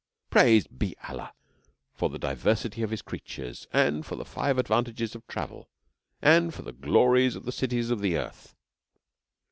Praised be Allah for the diversity of His creatures and for the Five Advantages of Travel and for the glories of the Cities of the Earth!